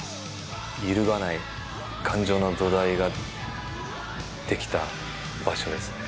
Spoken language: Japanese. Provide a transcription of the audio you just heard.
揺るがない頑丈な土台が出来た場所ですね。